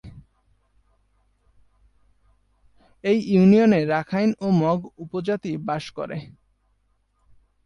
এ ইউনিয়নে রাখাইন ও মগ উপজাতি বাস করে।